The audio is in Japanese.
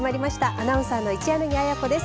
アナウンサーの一柳亜矢子です。